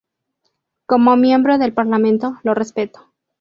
Como miembro del Parlamento, lo respeto.